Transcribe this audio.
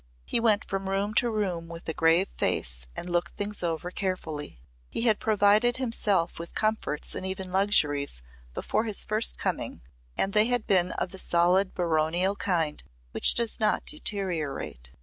He went from room to room with a grave face and looked things over carefully. He had provided himself with comforts and even luxuries before his first coming and they had been of the solid baronial kind which does not deteriorate.